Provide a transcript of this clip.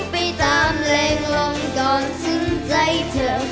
ไปตามแรงลงก่อนถึงใจเธอ